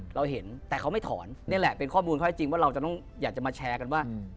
เราเห็นแต่เขาไม่ถอนนี่แหละเป็นข้อมูลข้อที่จริงว่าเราจะต้องอยากจะมาแชร์กันว่า